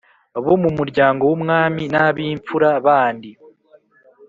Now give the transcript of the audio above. bo mu muryango w’umwami, n’ab’imfura bandi